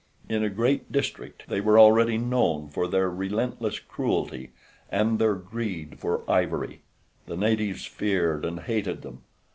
In a great district they were already known for their relentless cruelty and their greed for ivory. The natives feared and hated them.